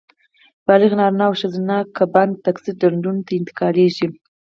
بالغ نارینه او ښځینه کبان د تکثیر ډنډونو ته انتقالېږي.